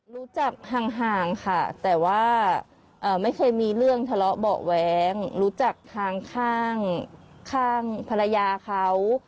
รู้จักห่างค่ะแต่ว่าไม่เคยมีเรื่องทะเลาะเบาะแว้งรู้จักทางข้างภรรยาเขา